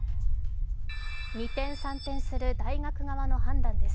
二転三転する大学側の判断です。